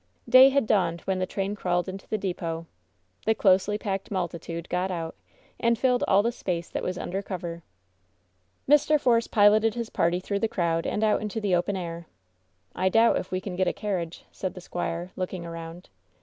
Day had dawned when the train crawled into the depot. The closely packed multitude got out, and filled all the space that was under cover. Mr. Fore© piloted his party through the crowd, and out into the open air. "I doubt if we can get a carriage, said the squire, looking around.